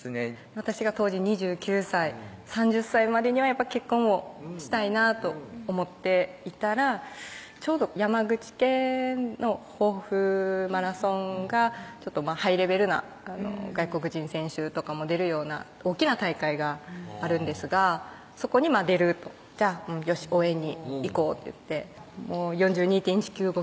私が当時２９歳３０歳までには結婚をしたいなと思っていたらちょうど山口県の防府マラソンがハイレベルな外国人選手とかも出るような大きな大会があるんですがそこに出るとじゃあよし応援に行こうっていって４２．１９５